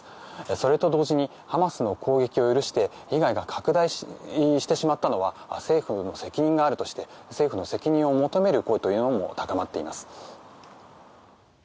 それと同時にハマスの攻撃を許して被害が拡大してしまったのは政府の責任があるとして政府の責任を求める声というのも高まっています。